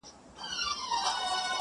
په للو دي هره شپه يم زنگولى٫